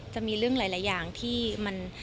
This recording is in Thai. จะมีเรื่องหลายอย่างที่มัน